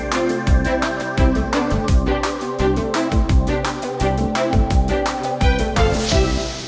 โปรดติดตามตอนต่อไป